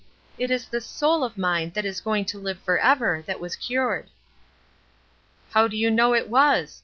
It is this soul of mine that is going to live forever that was cured." "How do you know it was?"